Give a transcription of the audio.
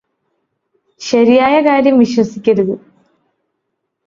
ശരിയായ കാര്യം വിശ്വസിക്കരുത്